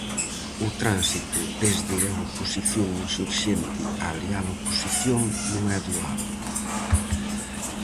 O tránsito desde a oposición insurxente á leal oposición non é doado.